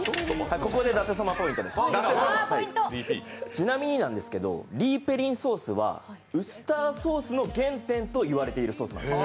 ちなみになんですけど、リーペリンソースはウスターソースの原点といわれているそうです。